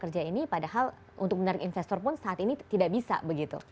kerja ini padahal untuk menarik investor pun saat ini tidak bisa begitu